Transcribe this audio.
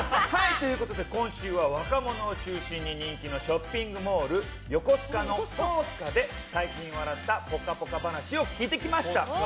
今週は若者を中心に人気のショッピングモール横須賀のコースカで最近笑ったぽかぽか話を聞いてきました。